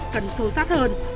cần sâu sắc hơn